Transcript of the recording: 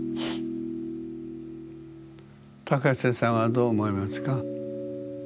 高瀬さんはどう思いますか？